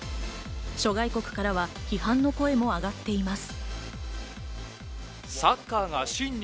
諸外国からは批判の声も上がっています。